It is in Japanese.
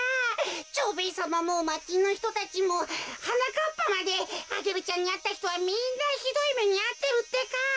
蝶兵衛さまもまちのひとたちもはなかっぱまでアゲルちゃんにあったひとはみんなひどいめにあってるってか。